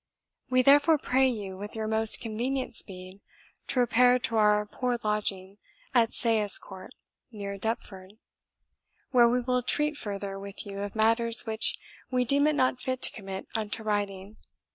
We therefore pray you, with your most convenient speed, to repair to our poor lodging, at Sayes Court, near Deptford, where we will treat further with you of matters which we deem it not fit to commit unto writing.